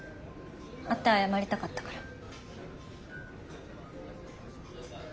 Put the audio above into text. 会って謝りたかったから。